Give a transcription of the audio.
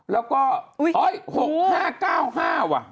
แล้วก็๖๕๙๕ว่ะ